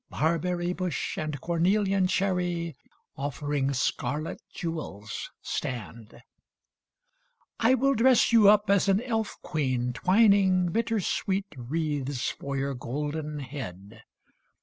Barberry bush and cornelian cherry Offering scarlet jewels stand. I will dress you up as an elf queen, twining Bittersweet wreaths for your golden head.